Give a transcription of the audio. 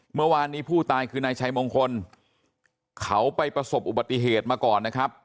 เมื่อวานนี้ผู้ตายคือนายชัยมงคลเขาไปประสบอุบัติเหตุมาก่อนนะครับ